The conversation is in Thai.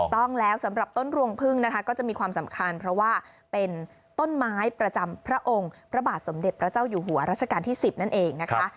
ต้นไม้ประจำพระองค์พระบาทสมเด็จพระเจ้าอยู่หัวรัชกาลที่๑๐นั่นเองนะคะ